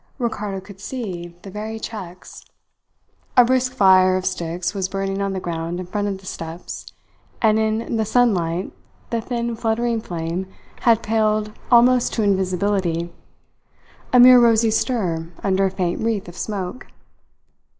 Ricardo could see the very checks. A brisk fire of sticks was burning on the ground in front of the steps, and in the sunlight the thin, fluttering flame had paled almost to invisibility a mere rosy stir under a faint wreath of smoke.